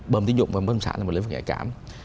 bơm tín dụng và bơm sản là một lĩnh vực nhạy cảm